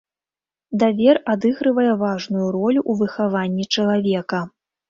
Давер адыгрывае важную ролю ў выхаванні чалавека.